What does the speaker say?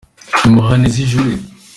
Impuha nizijure